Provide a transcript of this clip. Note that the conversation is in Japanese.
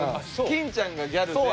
金ちゃんがギャルで。